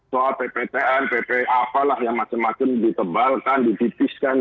soal ppkm pp apalah yang makin makin ditebalkan ditipiskan